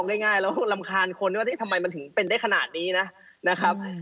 ง่ายแล้วรำคาญคนว่าทำไมมันถึงเป็นได้ขนาดนี้นะครับ